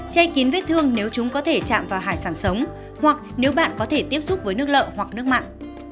che kín vết thương nếu chúng có thể chạm vào hải sản sống hoặc nếu bạn có thể tiếp xúc với nước lợ hoặc nước mặn